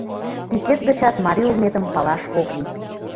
Тӱсет гычат марий улметым палаш ок лий.